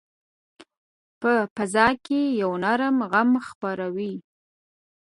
په فضا کې یو نرم غم خپور وي